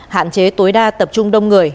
hạn chế tối đa tập trung đông người